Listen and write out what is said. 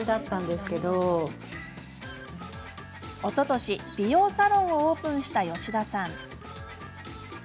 おととし、美容サロンをオープンした吉田さん。